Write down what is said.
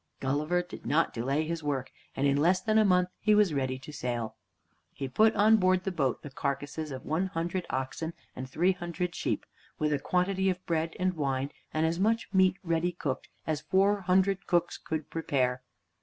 Gulliver did not delay his work, and in less than a month he was ready to sail. He put on board the boat the carcasses of one hundred oxen and three hundred sheep, with a quantity of bread and wine, and as much meat ready cooked as four hundred cooks could prepare.